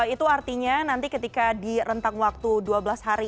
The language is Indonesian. itu artinya nanti ketika di rentang waktu dua belas hari ini masalahnya akan berubah